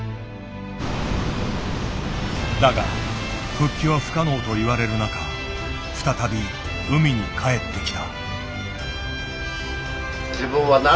だが復帰は不可能といわれる中再び海に帰ってきた。